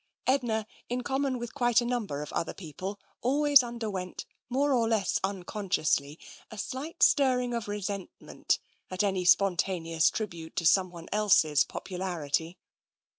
Edna, in common with quite a number of other peo ple, always underwent, more or less unconsciously, a slight stirring of resentment at any spontaneous tribute to someone else's popularity.